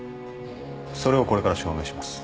それをこれから証明します。